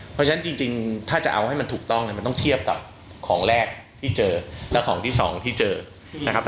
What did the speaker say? เพราะฉะนั้นจริงถ้าจะเอาให้มันถูกต้องเนี่ยมันต้องเทียบกับของแรกที่เจอและของที่สองที่เจอนะครับ